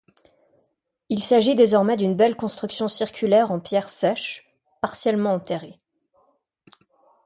Il s'agit désormais d'une belle construction circulaire en pierres sèches, partiellement enterrée.